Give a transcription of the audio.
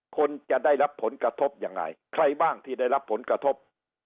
คนจะได้รับผลกระทบยังไงใครบ้างที่ได้รับผลกระทบ